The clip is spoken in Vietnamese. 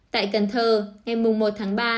tại cần thơ ngày một tháng ba